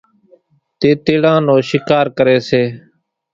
تيتيڙان نو شِڪار ڪريَ سي۔